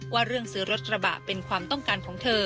ว่าเรื่องซื้อรถกระบะเป็นความต้องการของเธอ